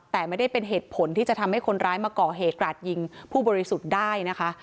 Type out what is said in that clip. แต่ไม่ได้เป็นเหตุผลที่จะทำให้คนร้ายมาก่อเหตุกราดยิงผู้บริสุทธิ์ได้นะคะ